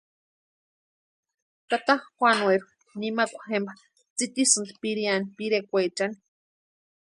Tata Juanueri nimakwa jempa tsitisïnti pireani pirekwaechani.